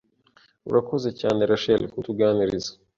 Urakoze cyane Rachel kutuganiriza